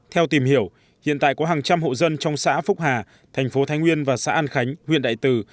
theo tìm hiểu hiện tại có hàng trăm hộ dân trong xã phúc hà thành phố thái nguyên và xã an khánh huyện đại từ